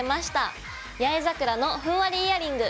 「八重桜のふんわりイヤリング」